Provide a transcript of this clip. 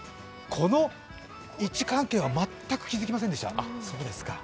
この位置関係は全く気付きませんでした。